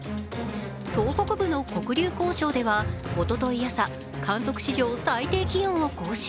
東北部の黒竜江省ではおととい朝、観測史上最低気温を更新。